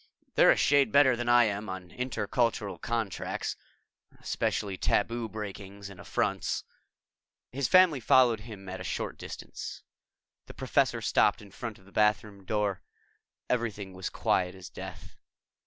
They're a shade better than I am on intercultural contracts, especially taboo breakings and affronts ..." His family followed him at a short distance. The Professor stopped in front of the bathroom door. Everything was quiet as death.